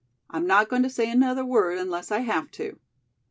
I'm not going to say another word, unless I have to."